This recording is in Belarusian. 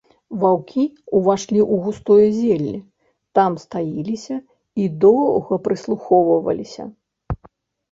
Ваўкі ўвайшлі ў густое зелле, там стаіліся і доўга прыслухоўваліся.